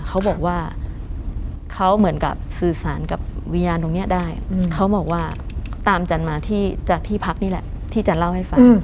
เขาบอกว่าเขาเหมือนกับสื่อสารกับวิญญาณตรงนี้ได้เขาบอกว่าตามจันมาที่จากที่พักนี่แหละที่จันเล่าให้ฟัง